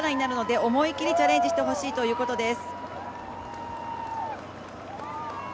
経験が力になるので思いっきりチャレンジしてほしいということです。